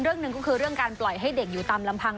เรื่องหนึ่งก็คือเรื่องการปล่อยให้เด็กอยู่ตามลำพัง